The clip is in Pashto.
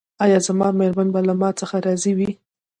ایا زما میرمن به له ما څخه راضي وي؟